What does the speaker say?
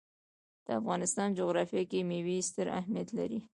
د افغانستان جغرافیه کې مېوې ستر اهمیت لري.